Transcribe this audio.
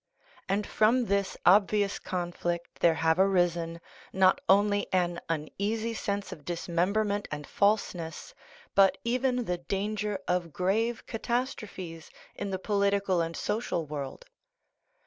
And from this obvious conflict there have arisen, not only an uneasy sense of dismemberment and falseness, but even the danger of grave catastrophes in the polit ical and social world.